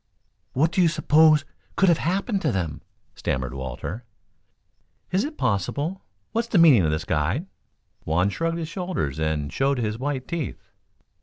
"What do you suppose could have happened to them?" stammered Walter. "Is it possible? What's the meaning of this, guide?" Juan shrugged his shoulders and showed his white teeth.